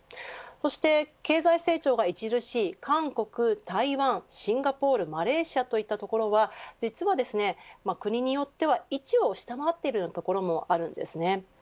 そして経済成長が著しい韓国台湾、シンガポールマレーシアといったところは実はですね、国によっては１を下回っているところもあるんです。